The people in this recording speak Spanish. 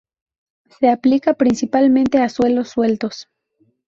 Se aplica principalmente a suelos sueltos.